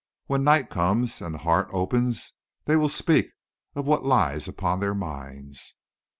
"When night comes and the heart opens, they will speak of what lies upon their minds."